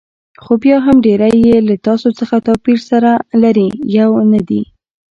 خو بیا هم ډېری یې له تاسو څخه توپیر سره لري، یو نه دي.